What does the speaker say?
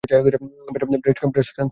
breast cancer care